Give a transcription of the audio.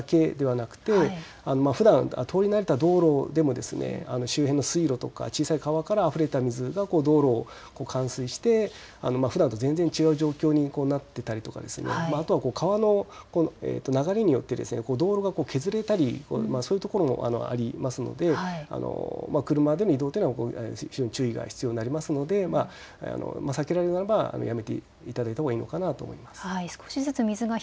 いわゆるアンダーパスという低地のところだけではなくてふだん、通り慣れた道路でも周辺の水路とか小さい川からあふれた水が道路を冠水してふだんと全然違う状況になっていたりとか川の流れによって道路が削れたり、そういうこともありますのでこれ車での移動というのは非常に注意が必要になりますので避けられるならばやめていただいたほうがいいのかなと思います。